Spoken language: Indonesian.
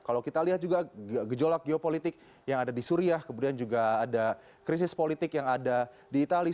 kalau kita lihat juga gejolak geopolitik yang ada di suriah kemudian juga ada krisis politik yang ada di itali